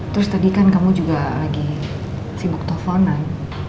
terus tadi kan kamu juga lagi sibuk telponan